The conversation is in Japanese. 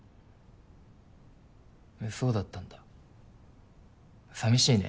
そうだったんだ寂しいね。